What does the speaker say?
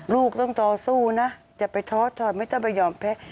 ลูกต้องตอสู้นะอย่าไปทอดไม่ต้องไปยอมแพ้